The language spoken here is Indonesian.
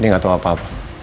dia gak tau apa apa